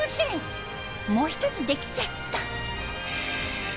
もう１つできちゃった。